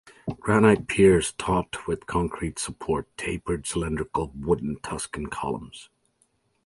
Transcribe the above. Granite piers topped with concrete support tapered cylindrical wooden Tuscan columns.